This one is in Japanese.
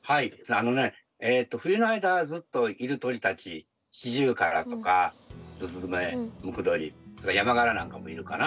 あのね冬の間ずっといる鳥たちシジュウカラとかスズメムクドリそれにヤマガラなんかもいるかな。